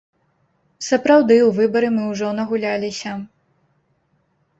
Сапраўды, у выбары мы ўжо нагуляліся.